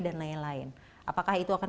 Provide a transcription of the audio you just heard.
dan lain lain apakah itu akan